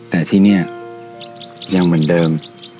แต่ที่นี่ยังเหมือนเดิม